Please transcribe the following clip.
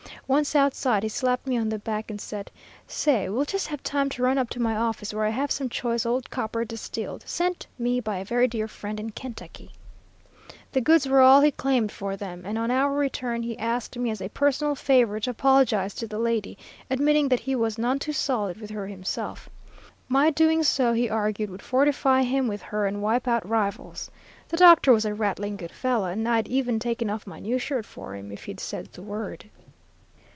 Once outside, he slapped me on the back, and said, 'Say, we'll just have time to run up to my office, where I have some choice old copper distilled, sent me by a very dear friend in Kentucky.' "The goods were all he claimed for them, and on our return he asked me as a personal favor to apologize to the lady, admitting that he was none too solid with her himself. My doing so, he argued, would fortify him with her and wipe out rivals. The doctor was a rattling good fellow, and I'd even taken off my new shirt for him, if he'd said the word.